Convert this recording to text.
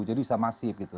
jadi bisa masif gitu